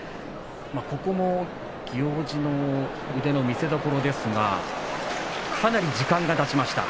ここも行司の腕の見せどころですがかなり時間がたちました。